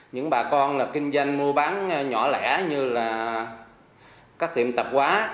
những bà con là kinh doanh mua bán nhỏ lẻ như là các tiệm tạp hóa